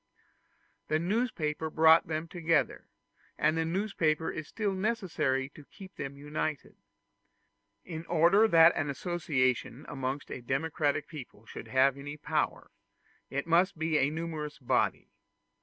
The newspaper brought them together, and the newspaper is still necessary to keep them united. In order that an association amongst a democratic people should have any power, it must be a numerous body.